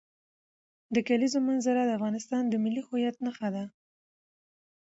د کلیزو منظره د افغانستان د ملي هویت نښه ده.